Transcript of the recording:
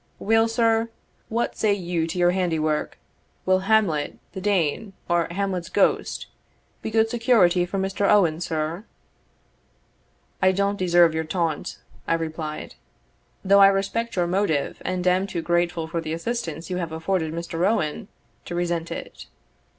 Weel, sir, what say you to your handiwork? Will Hamlet the Dane, or Hamlet's ghost, be good security for Mr. Owen, sir?" "I don't deserve your taunt," I replied, "though I respect your motive, and am too grateful for the assistance you have afforded Mr. Owen, to resent it.